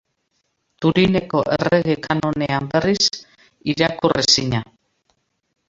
Turineko Errege Kanonean, berriz, irakurrezina.